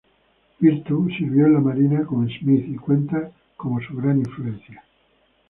Virtue sirvió en la Marina con Smith y cuenta como su gran influencia.